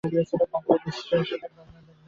Bagley, Mrs মিশিগানের governor ব্যাগলির পত্নী।